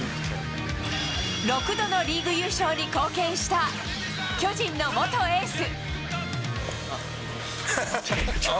６度のリーグ優勝に貢献した、巨人の元エース。